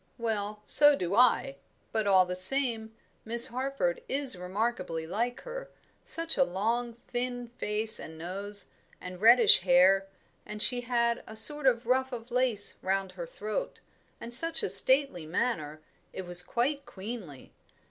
"Well, so do I; but, all the same, Miss Harford is remarkably like her such a long, thin face and nose, and reddish hair; and she had a sort of ruff of lace round her throat, and such a stately manner, it was quite queenly.